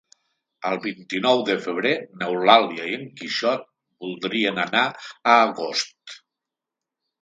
El vint-i-nou de febrer n'Eulàlia i en Quixot voldrien anar a Agost.